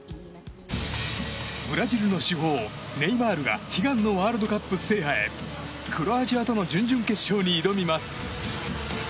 ブラジルの至宝、ネイマールが悲願のワールドカップ制覇へクロアチアとの準々決勝に挑みます。